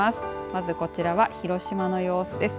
まずこちらは広島の様子です。